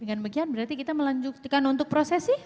dengan demikian berarti kita melanjutkan untuk proses sih